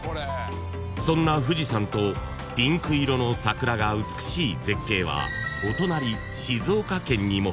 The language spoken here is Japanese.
［そんな富士山とピンク色の桜が美しい絶景はお隣静岡県にも］